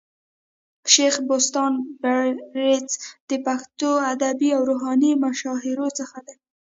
شېخ بُستان بړیڅ د پښتو ادبي او روحاني مشاهيرو څخه دئ.